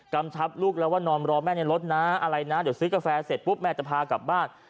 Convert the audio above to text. ชับลูกแล้วว่านอนรอแม่ในรถนะอะไรนะเดี๋ยวซื้อกาแฟเสร็จปุ๊บแม่จะพากลับบ้าน